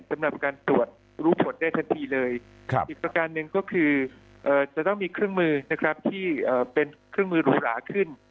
สำหรับการตรวจรู้ผลได้ทันทีเลยอีกประการหนึ่งก็คือจะต้องมีเครื่องมือนะครับที่เป็นเครื่องมือหรูหราขึ้น